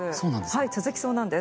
続きそうなんです。